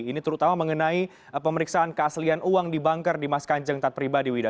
ini terutama mengenai pemeriksaan keaslian uang di banker di mas kanjeng taat pribadi wida